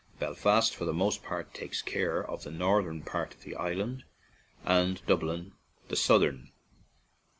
Belfast for the most part takes care of the northern part of the island, and Dublin the south ern.